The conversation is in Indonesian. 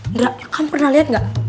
enggak kamu pernah lihat nggak